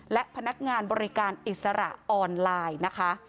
และพนักงานบริการอิสระออนไลน์นะคะ